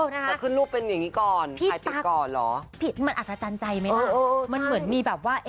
นายต้องไปมาคณะนี้